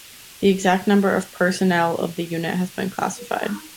The exact number of personnel of the unit has been classified.